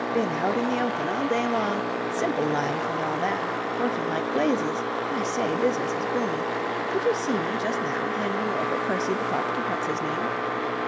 Been out in the open all day long... simple life and all that... working like blazes. I say, business is booming. Did you see me just now, handing over Percy the Pup to what's his name?